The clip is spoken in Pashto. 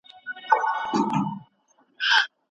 شور ماشور هم یوه ککړتیا ده.